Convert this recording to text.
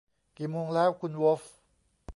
กี่โมงแล้ว คุณโวล์ฟ